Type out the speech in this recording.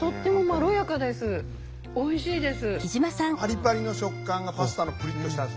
おいしいです。